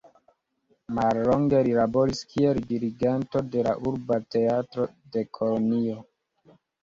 Mallonge li laboris kiel dirigento de la urba teatro de Kolonjo.